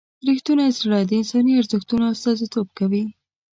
رښتونی زړه د انساني ارزښتونو استازیتوب کوي.